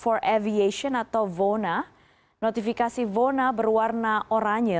for aviation atau vona notifikasi zona berwarna oranye